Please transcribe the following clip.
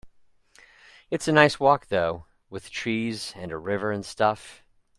It's a nice walk though, with trees and a river and stuff.